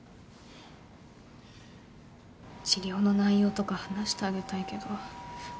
治療の内容とか話してあげたいけどご両親は？